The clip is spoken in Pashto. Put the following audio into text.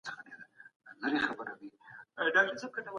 شپه كي هم خوب نه راځي جانه زما